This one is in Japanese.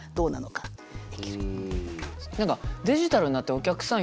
何かデジタルになってお客さん